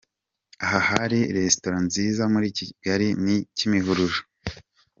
Aha hari resitora nziza muri kigali ni Kimihurura.